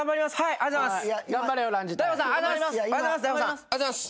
ありがとうございます。